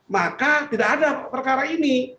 maka tidak ada perkara ini